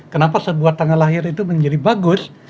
kenapa sebuah tanggal lahir itu menjadi bagus